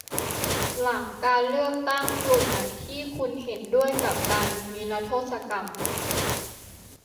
หลังการเลือกตั้ง กลุ่มไหนที่คุณเห็นด้วยกับการนิรโทษกรรม